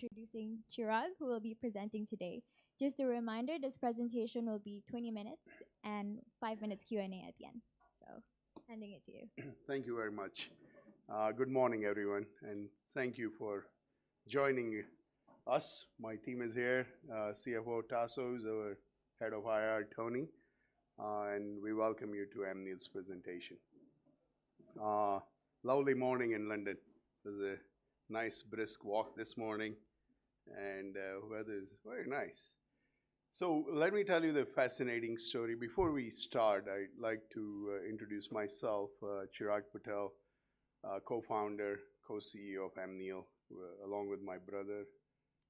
Introducing Chirag, who will be presenting today. Just a reminder, this presentation will be 20 minutes and five minutes Q&A at the end. Handing it to you. Thank you very much. Good morning, everyone, and thank you for joining us. My team is here, CFO Tasos, our Head of IR, Tony, and we welcome you to Amneal's presentation. Lovely morning in London. It was a nice, brisk walk this morning, and weather is very nice. So let me tell you the fascinating story. Before we start, I'd like to introduce myself, Chirag Patel, Co-Founder, Co-CEO of Amneal. Along with my brother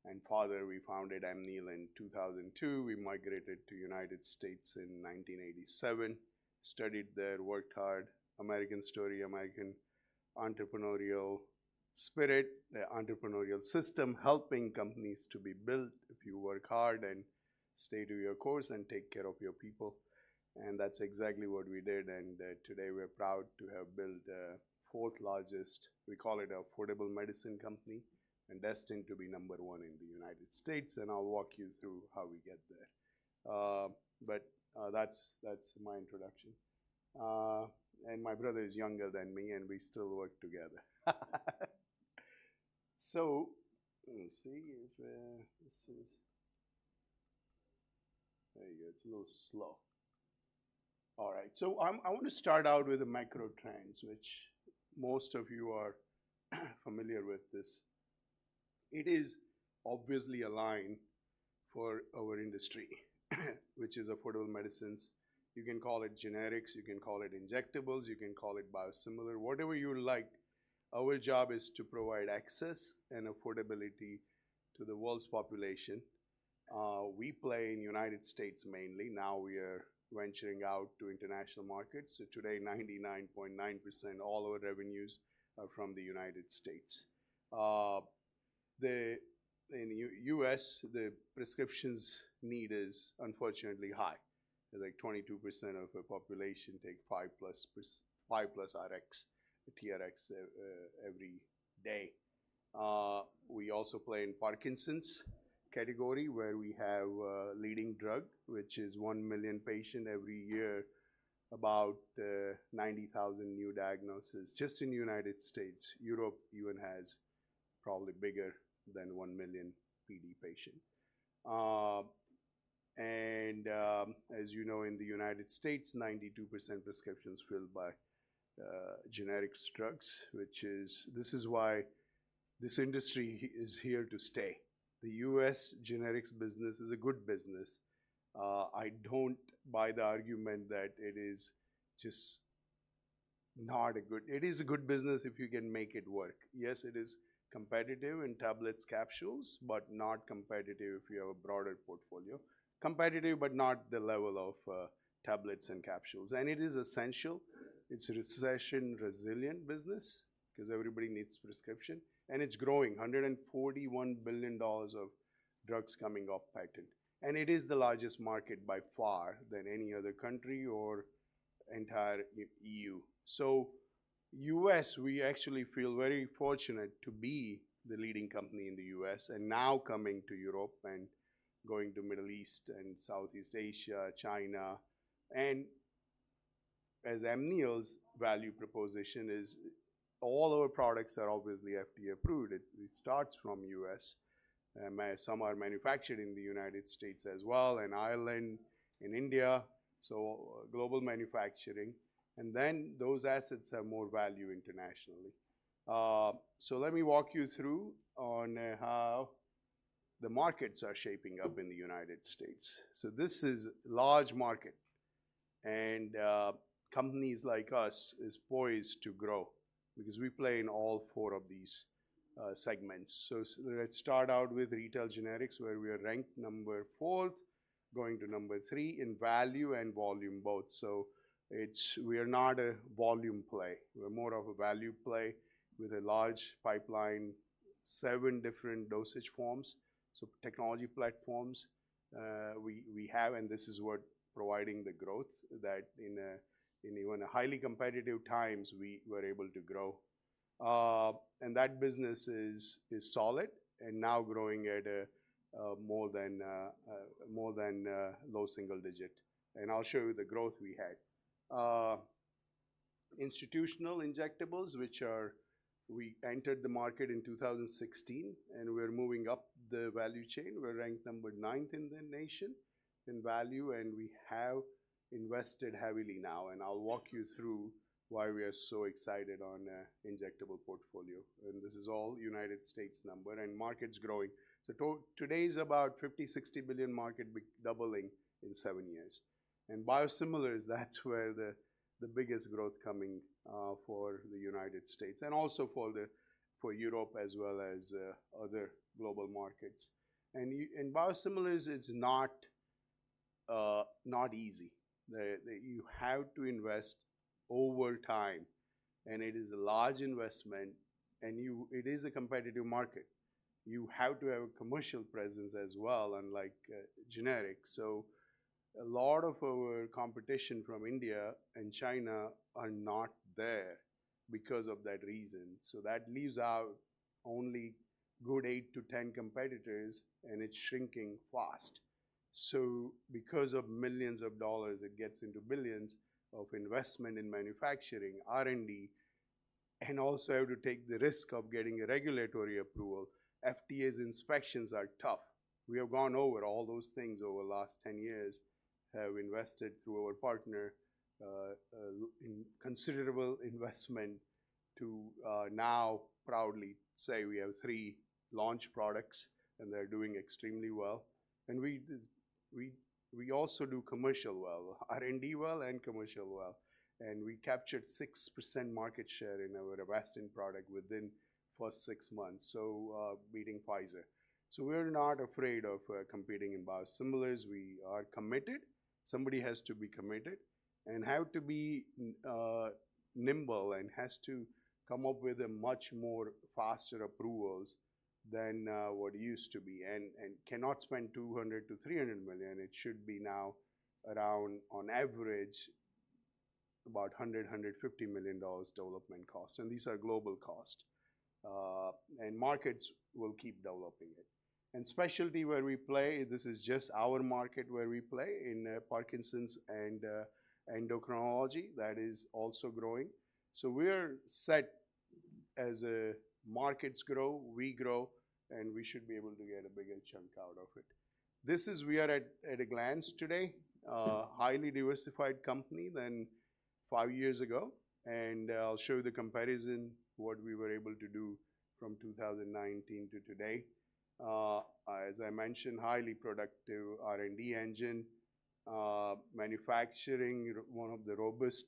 and father, we founded Amneal in 2002. We migrated to United States in 1987, studied there, worked hard, American story, American entrepreneurial spirit, entrepreneurial system, helping companies to be built if you work hard and stay to your course and take care of your people. And that's exactly what we did, and today we're proud to have built the fourth largest. We call it affordable medicine company and destined to be number one in the United States, and I'll walk you through how we get there. That's my introduction. And my brother is younger than me, and we still work together. So let me see if this is. There you go. It's a little slow. All right. So I want to start out with the micro trends, which most of you are familiar with this. It is obviously a line for our industry, which is affordable medicines. You can call it generics, you can call it injectables, you can call it biosimilar, whatever you like. Our job is to provide access and affordability to the world's population. We play in United States mainly. Now we are venturing out to international markets. So today, 99.9% of all our revenues are from the United States. In the U.S., the prescription need is unfortunately high. Like, 22% of the population take five plus Rx, TRx every day. We also play in the Parkinson's category, where we have a leading drug, which is one million patients every year, about 90,000 new diagnoses just in the United States. Europe even has probably bigger than one million PD patients. And, as you know, in the United States, 92% of prescriptions are filled by generic drugs, which is why this industry is here to stay. The U.S. generics business is a good business. I don't buy the argument that it is just not a good business. It is a good business if you can make it work. Yes, it is competitive in tablets, capsules, but not competitive if you have a broader portfolio. Competitive, but not the level of tablets and capsules. It is essential. It's a recession-resilient business because everybody needs prescription, and it's growing. $141 billion of drugs coming off patent, and it is the largest market by far than any other country or entire EU. So U.S., we actually feel very fortunate to be the leading company in the U.S., and now coming to Europe and going to Middle East and Southeast Asia, China. As Amneal's value proposition is, all our products are obviously FDA-approved. It starts from U.S., some are manufactured in the United States as well, in Ireland, in India, so global manufacturing, and then those assets have more value internationally. So let me walk you through on how the markets are shaping up in the United States. So this is large market, and companies like us is poised to grow because we play in all four of these segments. So let's start out with retail generics, where we are ranked number fourth, going to number three in value and volume both. So it's we are not a volume play. We're more of a value play with a large pipeline, seven different dosage forms. So technology platforms we have, and this is what providing the growth, that in even highly competitive times, we were able to grow. And that business is solid and now growing at more than low single digit. And I'll show you the growth we had. Institutional injectables, which are, we entered the market in 2016, and we're moving up the value chain. We're ranked number ninth in the nation in value, and we have invested heavily now, and I'll walk you through why we are so excited on injectable portfolio. And this is all United States number, and market's growing. So today is about $50 billion-$60 billion market be doubling in seven years. And biosimilars, that's where the biggest growth coming for the United States and also for Europe as well as other global markets. And biosimilars, it's not easy. You have to invest over time, and it is a large investment, and it is a competitive market. You have to have a commercial presence as well, unlike generics. So, a lot of our competition from India and China are not there because of that reason. That leaves out only good eight to 10 competitors, and it's shrinking fast. Because of millions of dollars, it gets into billions of investment in manufacturing, R&D, and also have to take the risk of getting a regulatory approval. FDA's inspections are tough. We have gone over all those things over the last 10 years, have invested through our partner, in considerable investment to, now proudly say we have three launch products, and they're doing extremely well. And we also do commercial well, R&D well, and commercial well, and we captured 6% market share in our Avastin product within first six months, beating Pfizer. We're not afraid of competing in biosimilars. We are committed. Somebody has to be committed and have to be nimble, and has to come up with a much more faster approvals than what it used to be, and cannot spend $200 million-$300 million. It should be now around, on average, about $100 million-$150 million development costs, and these are global costs. Markets will keep developing it. And specialty where we play, this is just our market, where we play in Parkinson's and endocrinology. That is also growing. So we're set. As markets grow, we grow, and we should be able to get a bigger chunk out of it. This is we are at a glance today. Highly diversified company than five years ago, and I'll show you the comparison, what we were able to do from 2019 to today. As I mentioned, highly productive R&D engine. Manufacturing, one of the robust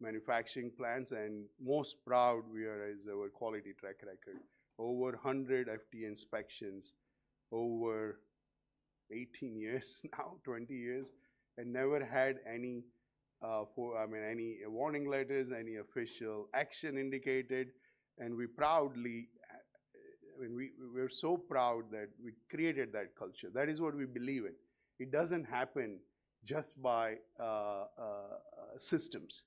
manufacturing plants, and most proud we are is our quality track record. Over 100 FDA inspections, over 18 years now, 20 years, and never had any, I mean, any warning letters, any official action indicated, and we proudly, I mean, we're so proud that we created that culture. That is what we believe in. It doesn't happen just by systems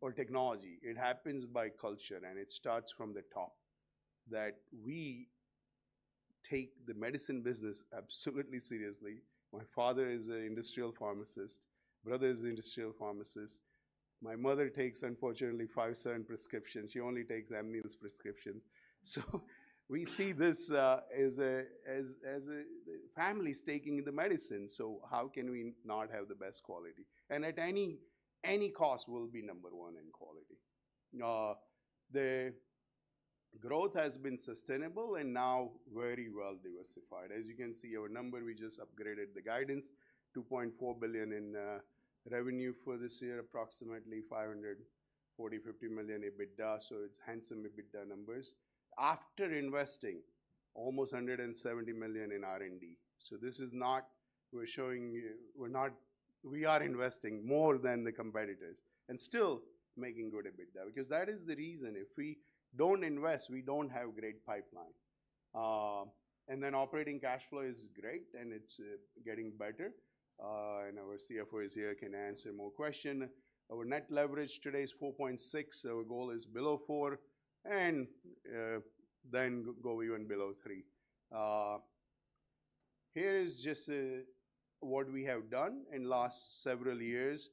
or technology. It happens by culture, and it starts from the top, that we take the medicine business absolutely seriously. My father is an industrial pharmacist, brother is an industrial pharmacist. My mother takes, unfortunately, five certain prescriptions. She only takes Amneal's prescription. So we see this as a, the family's taking the medicine, so how can we not have the best quality? At any cost, we'll be number one in quality. The growth has been sustainable and now very well diversified. As you can see, we just upgraded the guidance, $2.4 billion in revenue for this year, approximately $540 million-$550 million EBITDA, so it's handsome EBITDA numbers. After investing almost $170 million in R&D. So this is not, we're showing you. We're not. We are investing more than the competitors and still making good EBITDA, because that is the reason. If we don't invest, we don't have great pipeline. And then operating cash flow is great, and it's getting better. And our CFO is here, can answer more questions. Our net leverage today is 4.6x. Our goal is below 4x and then go even below 3x. Here is just what we have done in last several years,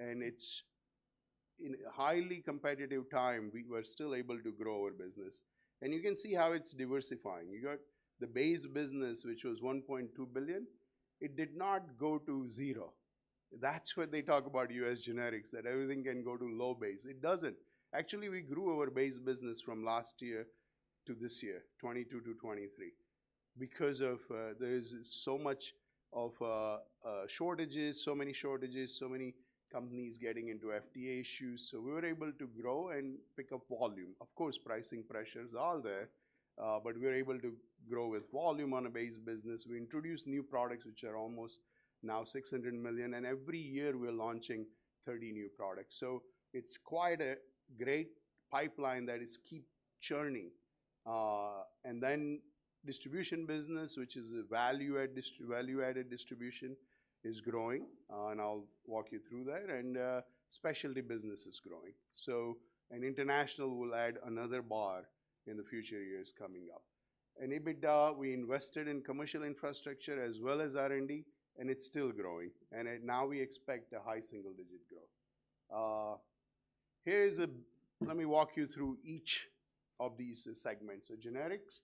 and it's in a highly competitive time, we were still able to grow our business. You can see how it's diversifying. You got the base business, which was $1.2 billion. It did not go to zero. That's what they talk about U.S. generics, that everything can go to low base. It doesn't. Actually, we grew our base business from last year to this year, 2022 to 2023. Because of, there's so much of shortages, so many shortages, so many companies getting into FDA issues, so we were able to grow and pick up volume. Of course, pricing pressures are there, but we're able to grow with volume on a base business. We introduced new products, which are almost now $600 million, and every year we're launching 30 new products. So it's quite a great pipeline that is keep churning. And then distribution business, which is a value add value-added distribution, is growing, and I'll walk you through that, and, specialty business is growing. And international will add another bar in the future years coming up. And EBITDA, we invested in commercial infrastructure as well as R&D, and it's still growing, and it. Now we expect a high single-digit growth. Here's. Let me walk you through each of these segments. So generics,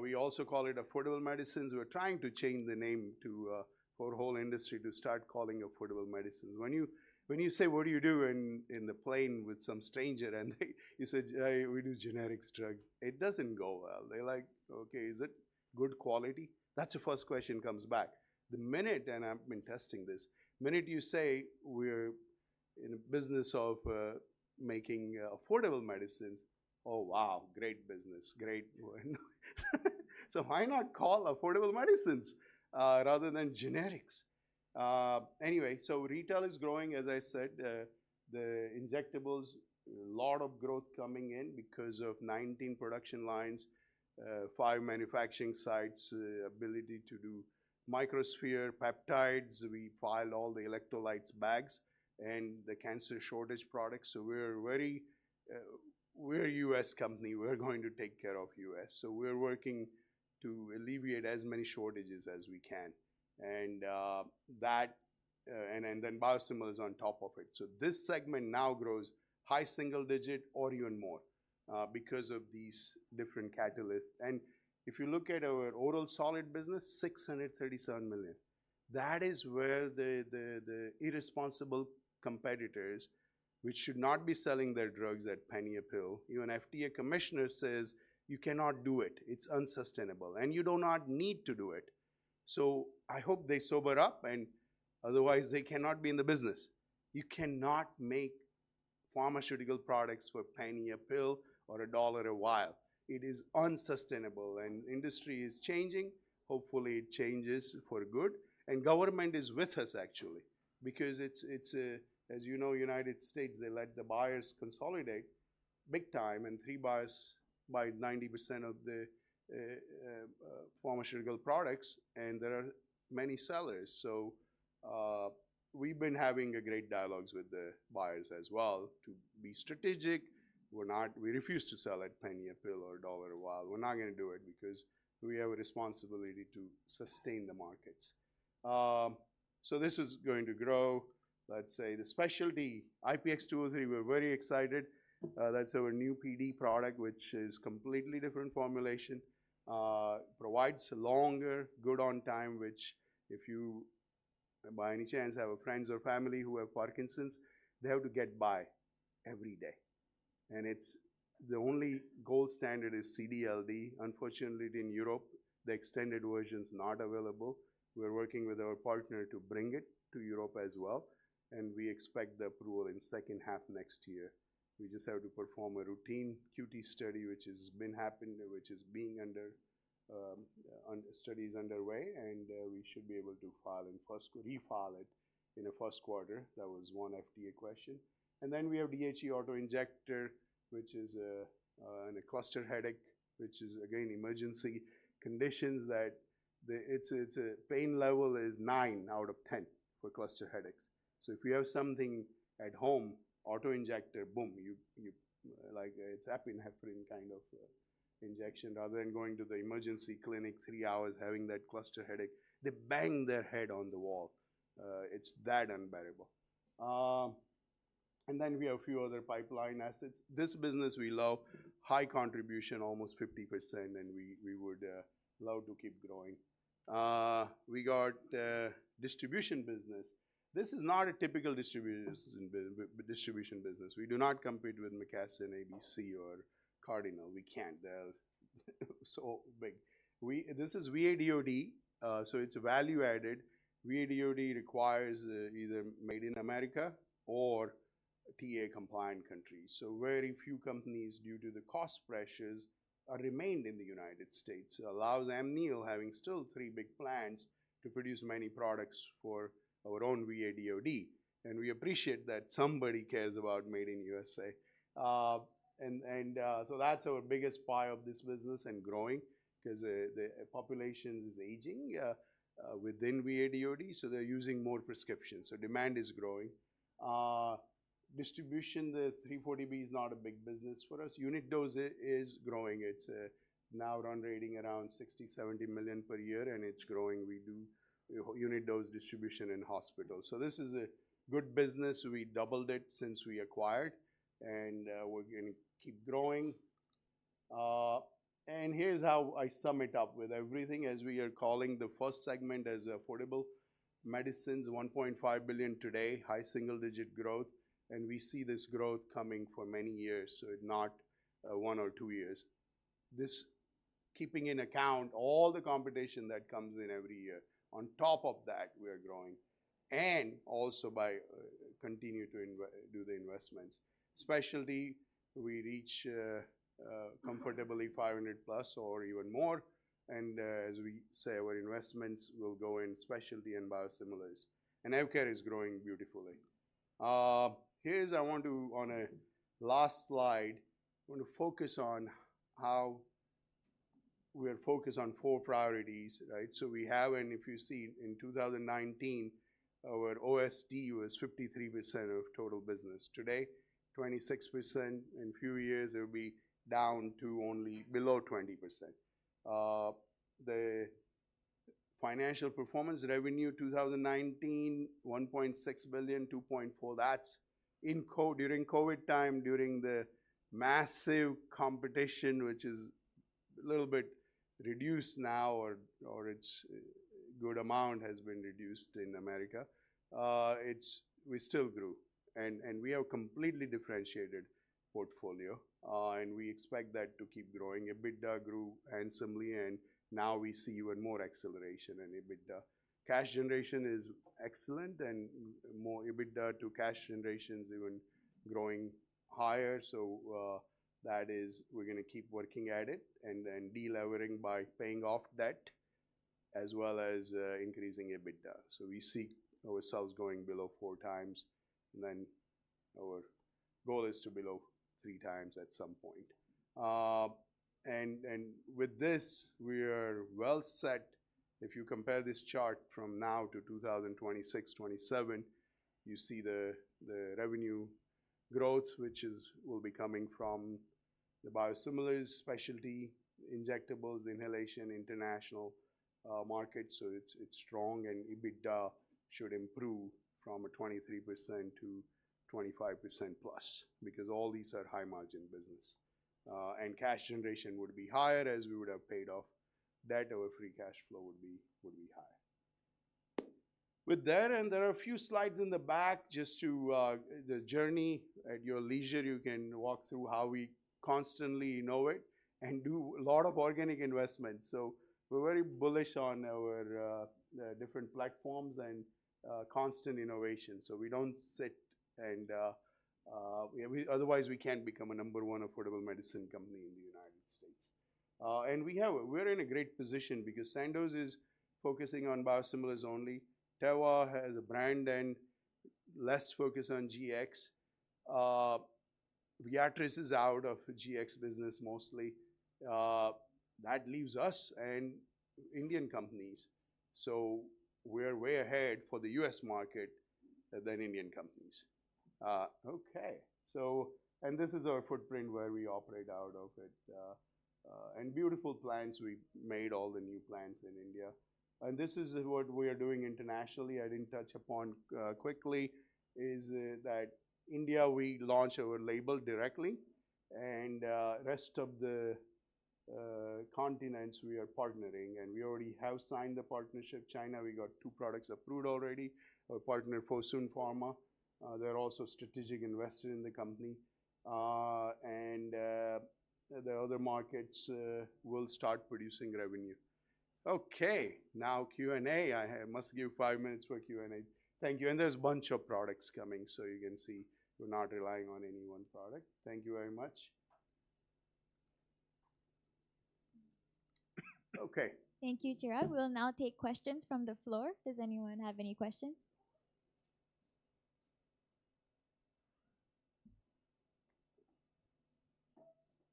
we also call it affordable medicines. We're trying to change the name to, for whole industry to start calling affordable medicines. When you, when you say, "What do you do?" In, in the plane with some stranger and you say, "We do generic drugs," it doesn't go well. They're like: "Okay, is it good quality?" That's the first question comes back. The minute, and I've been testing this, the minute you say, "We're in the business of making affordable medicines." "Oh, wow! Great business. Great." So why not call affordable medicines rather than generics? Anyway, so retail is growing, as I said. The injectables, a lot of growth coming in because of 19 production lines, five manufacturing sites, ability to do microsphere peptides. We filed all the electrolytes bags and the cancer shortage products, so we're very, we're a U.S. company, we're going to take care of U.S. So we're working to alleviate as many shortages as we can, and that, and then biosimilar is on top of it. So this segment now grows high single digit or even more because of these different catalysts. If you look at our oral solid business, $637 million. That is where the irresponsible competitors, which should not be selling their drugs at penny a pill. Even FDA commissioner says, "You cannot do it, it's unsustainable, and you do not need to do it." So I hope they sober up, and otherwise, they cannot be in the business. You cannot make pharmaceutical products for penny a pill or a dollar a vial. It is unsustainable, and industry is changing. Hopefully, it changes for good. And government is with us, actually, because it's as you know, United States, they let the buyers consolidate big time, and three buyers buy 90% of the pharmaceutical products, and there are many sellers. So, we've been having great dialogues with the buyers as well to be strategic. We're not. We refuse to sell at penny a pill or a dollar a vial. We're not gonna do it because we have a responsibility to sustain the markets. So this is going to grow. Let's say the specialty, IPX203, we're very excited. That's our new PD product, which is completely different formulation. Provides longer good on time, which if you, by any chance, have friends or family who have Parkinson's, they have to get by every day. And it's the only gold standard is CD/LD. Unfortunately, in Europe, the extended version is not available. We're working with our partner to bring it to Europe as well, and we expect the approval in second half next year. We just have to perform a routine QT study, which has been happening, which is being under study is underway, and we should be able to file in first refile it in the first quarter. That was one FDA question. And then we have DHE autoinjector, which is in a cluster headache, which is again emergency conditions that the it's a, it's a pain level is nine out of 10 for cluster headaches. So if you have something at home, autoinjector, boom! You, you like, it's epinephrine kind of injection, rather than going to the emergency clinic three hours, having that cluster headache. They bang their head on the wall. It's that unbearable. And then we have a few other pipeline assets. This business, we love. High contribution, almost 50%, and we would love to keep growing. We got distribution business. This is not a typical distribution business. We do not compete with McKesson, ABC, or Cardinal. We can't. They're so big. This is VA/DoD, so it's value-added. VA/DoD requires either made in America or TAA-compliant countries. So very few companies, due to the cost pressures, are remained in the United States. Allows Amneal having still three big plants to produce many products for our own VA/DoD. And we appreciate that somebody cares about made in U.S.A. And so that's our biggest pie of this business and growing because the population is aging within VA/DoD, so they're using more prescriptions, so demand is growing. Distribution, the 340B is not a big business for us. Unit dose is growing. It's now run rating around $60 million-$70 million per year, and it's growing. We do unit dose distribution in hospitals. So this is a good business. We doubled it since we acquired, and we're gonna keep growing. And here's how I sum it up with everything, as we are calling the first segment as affordable medicines, $1.5 billion today, high single-digit growth, and we see this growth coming for many years, so not one or two years. This keeping in account all the competition that comes in every year. On top of that, we are growing, and also by continue to do the investments. Specialty, we reach comfortably 500+ or even more, and as we say, our investments will go in specialty and biosimilars. And AvKARE is growing beautifully. Here, I want to, on a last slide, I want to focus on how we are focused on four priorities, right? So we have, and if you see in 2019, our OSD was 53% of total business. Today, 26%. In few years, it will be down to only below 20%. The financial performance revenue 2019, $1.6 billion, $2.4 billion. That's in during COVID time, during the massive competition, which is a little bit reduced now or, or it's good amount has been reduced in America. It's, we still grew, and, and we have completely differentiated portfolio, and we expect that to keep growing. EBITDA grew handsomely, and now we see even more acceleration in EBITDA. Cash generation is excellent, and more EBITDA to cash generation is even growing higher. So, that is we're gonna keep working at it and then delevering by paying off debt, as well as, increasing EBITDA. So we see ourselves going below 4x, and then our goal is to below 3x at some point, and with this, we are well set. If you compare this chart from now to 2026, 2027, you see the revenue growth, which will be coming from the biosimilars, specialty, injectables, inhalation, international market. So it's strong, and EBITDA should improve from 23% to 25%+, because all these are high-margin business. And cash generation would be higher as we would have paid off debt, our free cash flow would be high. With that, there are a few slides in the back just to the journey. At your leisure, you can walk through how we constantly innovate and do a lot of organic investment. So we're very bullish on our different platforms and constant innovation. So we don't sit and otherwise, we can't become a number one affordable medicine company in the United States. And we're in a great position because Sandoz is focusing on biosimilars only. Teva has a brand and less focus on GX. Viatris is out of GX business mostly. That leaves us and Indian companies. So we're way ahead for the U.S. market than Indian companies. And this is our footprint where we operate out of it and beautiful plants. We made all the new plants in India. And this is what we are doing internationally. I didn't touch upon quickly is that India, we launch our label directly, and rest of the continents, we are partnering, and we already have signed the partnership. China, we got two products approved already. Our partner, Fosun Pharma, they're also a strategic investor in the company. And the other markets will start producing revenue. Okay, now Q&A. I must give five minutes for Q&A. Thank you, and there's a bunch of products coming, so you can see we're not relying on any one product. Thank you very much. Okay. Thank you, Chirag. We'll now take questions from the floor. Does anyone have any questions?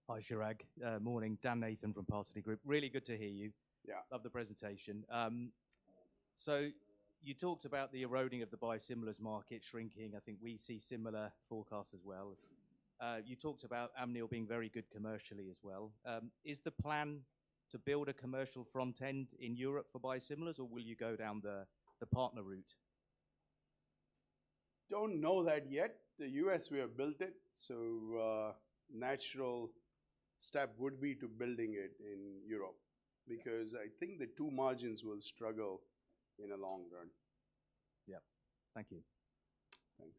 Hi, Chirag. Morning. Dan Nathan from Parsity Group. Really good to hear you. Yeah. Love the presentation. So you talked about the eroding of the biosimilars market shrinking. I think we see similar forecasts as well. You talked about Amneal being very good commercially as well. Is the plan to build a commercial front end in Europe for biosimilars, or will you go down the, the partner route? Don't know that yet. The U.S., we have built it, so a natural step would be to building it in Europe. Yeah. Because I think the two margins will struggle in the long run. Yeah. Thank you. Thanks.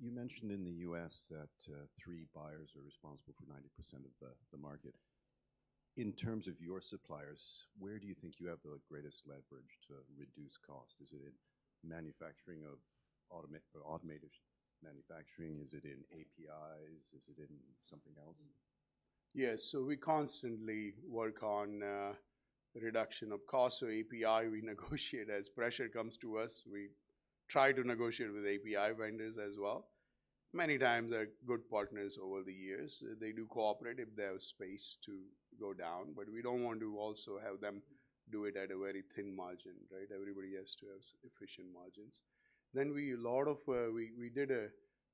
You mentioned in the U.S. that three buyers are responsible for 90% of the market. In terms of your suppliers, where do you think you have the greatest leverage to reduce cost? Is it in manufacturing of automated manufacturing? Is it in APIs? Is it in something else? Yes. So we constantly work on reduction of cost. So API, we negotiate. As pressure comes to us, we try to negotiate with API vendors as well. Many times, they're good partners over the years. They do cooperate if they have space to go down, but we don't want to also have them do it at a very thin margin, right? Everybody has to have efficient margins. Then we did a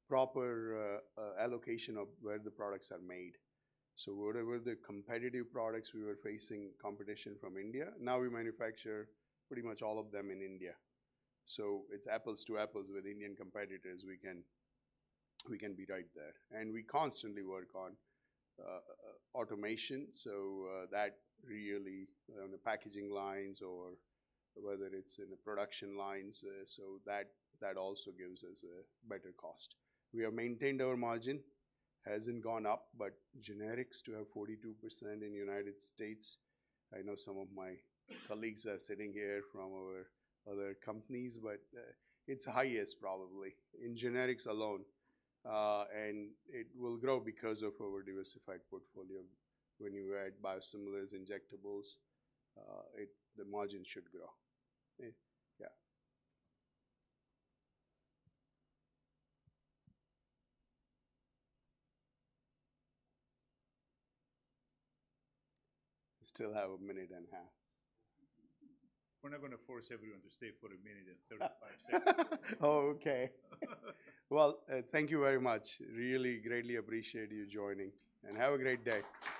proper allocation of where the products are made. So whatever the competitive products we were facing competition from India, now we manufacture pretty much all of them in India. So it's apples to apples with Indian competitors. We can be right there. We constantly work on automation, so that really on the packaging lines or whether it's in the production lines, so that also gives us a better cost. We have maintained our margin. Hasn't gone up, but generics to have 42% in United States. I know some of my colleagues are sitting here from our other companies, but it's highest probably in generics alone. And it will grow because of our diversified portfolio. When you add biosimilars, injectables, it, the margin should grow. Yeah. We still have a minute and a half. We're not gonna force everyone to stay for 1 minute and 35 seconds. Oh, okay. Well, thank you very much. Really greatly appreciate you joining, and have a great day.